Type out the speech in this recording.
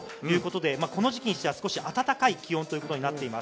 この時期にしては少し暖かい気温となっています。